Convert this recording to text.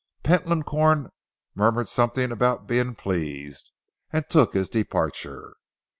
Pentland Corn murmured something about being pleased, and took his departure.